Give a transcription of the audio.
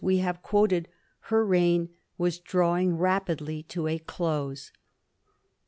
r. we have quoted, her reign was drawing rapidly to a close.